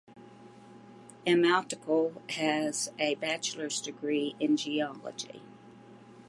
Elmoutaoikil has a Bachelor's degree in geology.